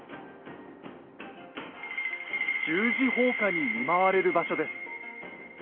十字砲火に見舞われる場所です。